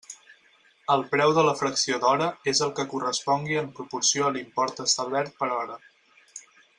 El preu de la fracció d'hora és el que correspongui en proporció a l'import establert per hora.